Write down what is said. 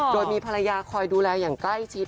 โดยมีภรรยาคอยดูแลอย่างใกล้ชิด